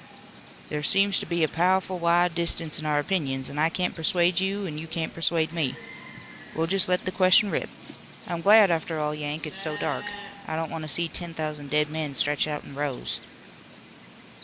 "There seems to be a pow'ful wide difference in our opinions, an' I can't persuade you an' you can't persuade me. We'll just let the question rip. I'm glad, after all, Yank, it's so dark. I don't want to see ten thousand dead men stretched out in rows."